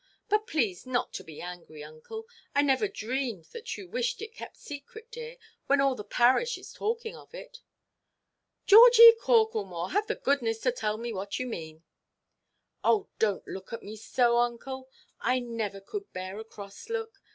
But please not to be angry, uncle. I never dreamed that you wished it kept secret, dear, when all the parish is talking of it." "Georgie Corklemore, have the goodness to tell me what you mean." "Oh, donʼt look at me so, uncle. I never could bear a cross look.